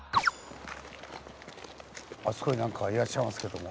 あそこに何かいらっしゃいますけども。